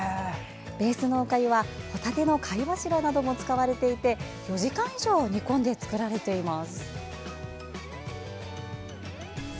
ベースのおかゆはホタテの貝柱なども使われていて４時間以上煮込んで作られています。